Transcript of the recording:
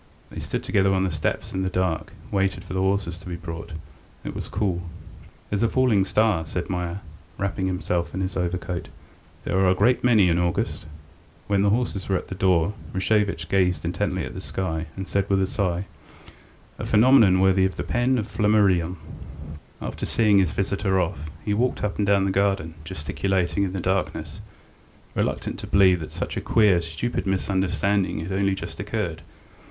They stood together on the steps in the dark, and waited for the horses to be brought. It was cool. "There's a falling star," said Meier, wrapping himself in his overcoat. "There are a great many in August." When the horses were at the door, Rashevitch gazed intently at the sky, and said with a sigh: "A phenomenon worthy of the pen of Flammarion. ..." After seeing his visitor off, he walked up and down the garden, gesticulating in the darkness, reluctant to believe that such a queer, stupid misunderstanding had only just occurred.